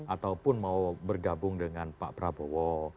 ataupun mau bergabung dengan pak prabowo